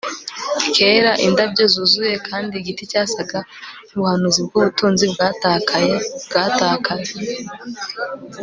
kera indabyo zuzuye kandi igiti cyasaga nkubuhanuzi bwubutunzi bwatakaye, bwatakaye